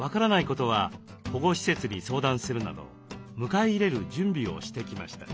ことは保護施設に相談するなど迎え入れる準備をしてきました。